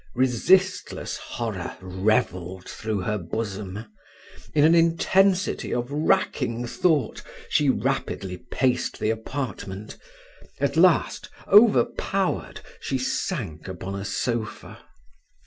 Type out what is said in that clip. Resistless horror revelled through her bosom: in an intensity of racking thought she rapidly paced the apartment; at last, overpowered, she sank upon a sofa.